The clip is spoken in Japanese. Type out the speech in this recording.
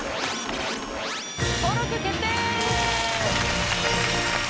登録決定！